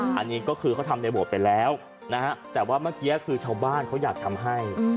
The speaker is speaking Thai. อันนี้ก็คือเขาทำในโบสถ์ไปแล้วนะฮะแต่ว่าเมื่อกี้คือชาวบ้านเขาอยากทำให้